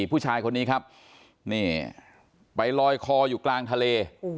ผู้ชายคนนี้ครับนี่ไปลอยคออยู่กลางทะเล